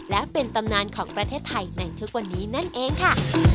และเป็นตำนานของประเทศไทยในทุกวันนี้นั่นเองค่ะ